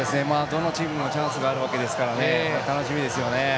どのチームにもチャンスがあるわけですから楽しみですよね。